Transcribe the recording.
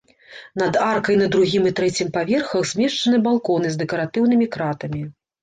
Над аркай на другім і трэцім паверхах змешчаны балконы з дэкаратыўнымі кратамі.